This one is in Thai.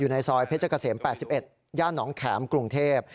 อยู่ในซอยเพชรเกษมแปดสิบเอ็ดย่านหนองแข็มกรุงเทพฯ